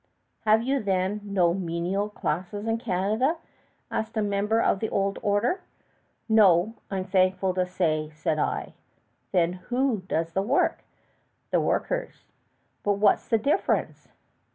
"Have you, then, no menial classes in Canada?" asked a member of the Old Order. "No, I'm thankful to say," said I. "Then who does the work?" "The workers." "But what's the difference?"